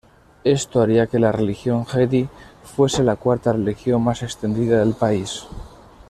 Esto haría que la religión Jedi fuese la cuarta religión más extendida del país.